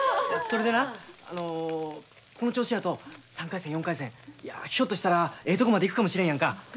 それでなあのこの調子やと３回戦４回戦ひょっとしたらええとこまでいくかもしれんやんか。